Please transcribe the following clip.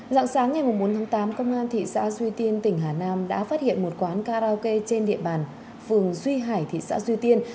dạng sáng ngày bốn tháng tám công an thị xã duy tiên tỉnh hà nam đã phát hiện một quán karaoke trên địa bàn phường duy hải thị xã duy tiên